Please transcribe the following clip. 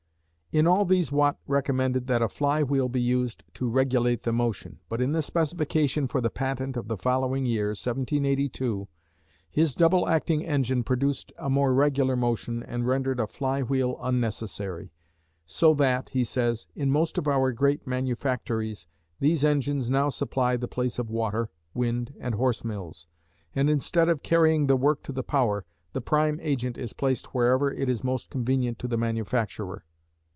In all of these Watt recommended that a fly wheel be used to regulate the motion, but in the specification for the patent of the following year, 1782, his double acting engine produced a more regular motion and rendered a fly wheel unnecessary, "so that," he says, "in most of our great manufactories these engines now supply the place of water, wind and horse mills, and instead of carrying the work to the power, the prime agent is placed wherever it is most convenient to the manufacturer."